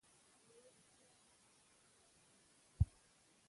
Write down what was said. ویل پیره دا خرقه دي راکړه ماته